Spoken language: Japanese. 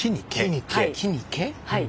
はい。